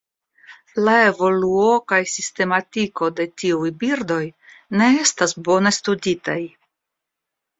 La evoluo kaj sistematiko de tiuj birdoj ne estas bone studitaj.